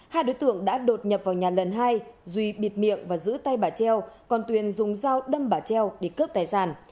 hai đối tượng đã đột nhập vào nhà lần hai duy bịt miệng và giữ tay bà treo còn tuyền dùng dao đâm bà treo để cướp tài sản